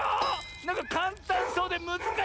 なんかかんたんそうでむずかしい！